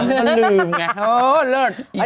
ดังเขาลืมนึงไง